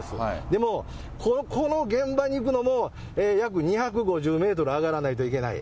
でも、ここの現場に行くのも、約２５０メートル上がらないといけない。